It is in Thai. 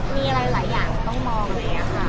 มีอะไรหลายอย่างต้องมองเลยค่ะ